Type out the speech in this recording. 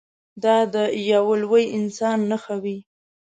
دا د یوه لوی انسان نښه وي.